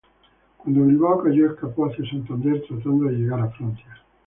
Cuando Bilbao cayó escapó hacia Santander tratando de llegar a Francia.